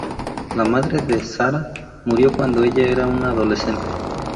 La madre de Sarah murió cuando ella era una adolescente.